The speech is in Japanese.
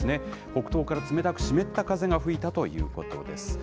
北東から冷たく湿った風が吹いたということです。